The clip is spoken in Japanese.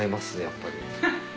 やっぱり。